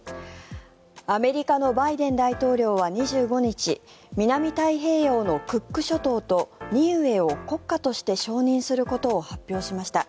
アメリカのバイデン大統領は２５日南太平洋のクック諸島とニウエを国家として承認することを発表しました。